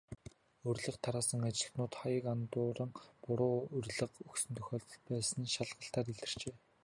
Урилга тараасан ажилтнууд хаяг андууран, буруу урилга өгсөн тохиолдол байсан нь шалгалтаар илэрчээ.